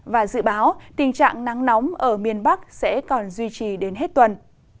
và dự báo tình trạng nắng nóng ở miền bắc sẽ còn duy trì đến hết tuần